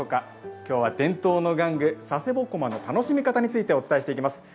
きょうは伝統の玩具佐世保独楽の楽しみ方についてお伝えしていきます。